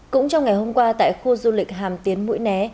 cũng trong ngày hôm qua tại khu du lịch hàm tiến mũi né